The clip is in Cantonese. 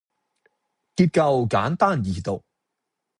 結構簡單易讀